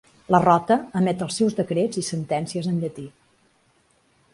La Rota emet els seus decrets i sentències en llatí.